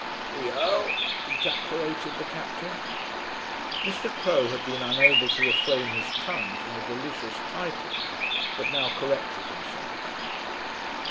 "The Earl!" ejaculated the Captain. Mr. Crowe had been unable to refrain his tongue from the delicious title, but now corrected himself.